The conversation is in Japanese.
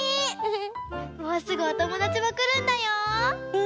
もうすぐおともだちもくるんだよ。